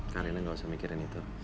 karena gak usah mikirin itu